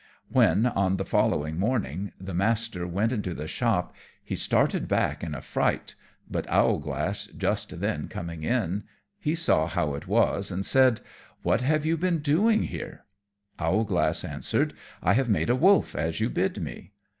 When, on the following morning, the Master went into the shop, he started back in a fright, but Owlglass just then coming in, he saw how it was, and said, "What have you been doing here?" Owlglass answered, "I have made a wolf, as you bid me."